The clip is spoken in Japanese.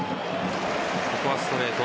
ここはストレート。